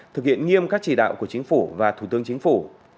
thực hiện nghiêm các chỉ đạo của chính phủ và thủ tướng chính phủ